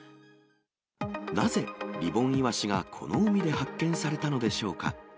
なぜ、リボンイワシがこの海で発見されたのでしょうか。